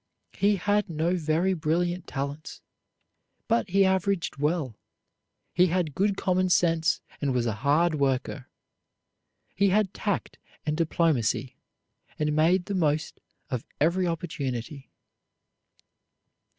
He had no very brilliant talents, but he averaged well. He had good common sense and was a hard worker. He had tact and diplomacy and made the most of every opportunity.